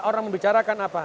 orang membicarakan apa